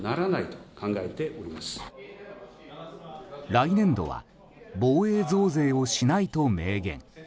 来年度は防衛増税をしないと明言。